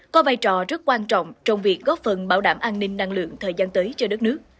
có vai trò rất quan trọng trong việc góp phần bảo đảm an ninh năng lượng thời gian tới cho đất nước